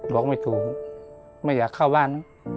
บอกไม่ถูกไม่อยากเข้าบ้าน